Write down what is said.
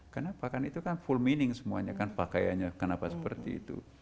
kenapa kan itu kan full meaning semuanya kan pakaiannya kenapa seperti itu